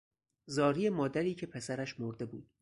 زاری مادری که پسرش مرده بود